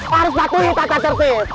harus bantuin kaca cerci